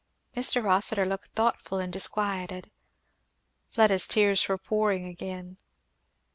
Mr. Rossitur looked thoughtful and disquieted. Fleda's tears were pouring again.